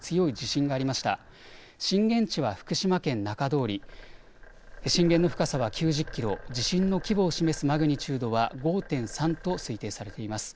震源地は福島県中通り、震源の深さは９０キロ、地震の規模を示すマグニチュードは５．３と推定されています。